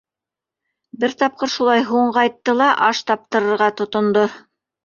Бер тапҡыр шулай һуң ҡайтты ла, аш таптырырға тотондо.